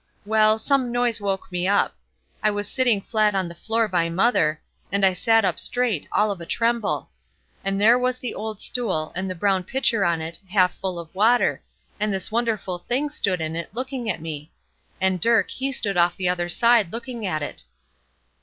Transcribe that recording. Well, some noise woke me up. I was sitting flat on the floor by mother, and I sat up straight all of a tremble. And there was the old stool, and the brown pitcher on it, half full of water, and this wonderful thing stood in it looking at me. And Dirk, he stood off the other side looking at it.